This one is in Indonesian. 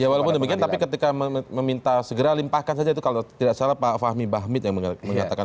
ya walaupun demikian tapi ketika meminta segera limpahkan saja itu kalau tidak salah pak fahmi bahmid yang mengatakan